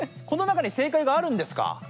この中に正解があるんですか？